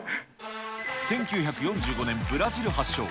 １９４５年ブラジル発祥。